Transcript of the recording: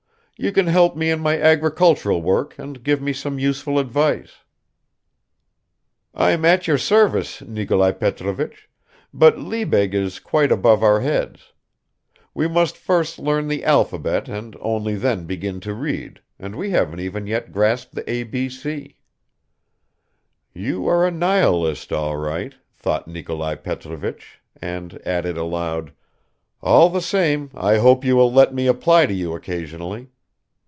You can help me in my agricultural work and give me some useful advice." "I'm at your service, Nikolai Petrovich, but Liebig is quite above our heads. We must first learn the alphabet and only then begin to read, and we haven't yet grasped the a b c." "You are a nihilist all right," thought Nikolai Petrovich, and added aloud, "All the same I hope you will let me apply to you occasionally.